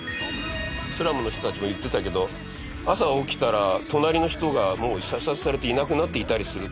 スラムの人たちも言ってたけど朝起きたら隣の人がもう射殺されていなくなっていたりする。